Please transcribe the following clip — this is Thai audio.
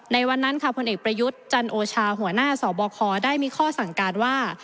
วันนั้นค่ะผลเอกประยุทธ์จันโอชาหัวหน้าสบคได้มีข้อสั่งการว่า